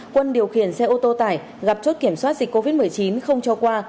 quân điều khiển xe ô tô tải gặp chốt kiểm soát dịch covid một mươi chín không cho qua